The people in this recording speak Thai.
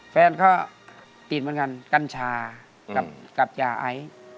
แฟนก็ติดเหมือนกันกัญชากับยาไอ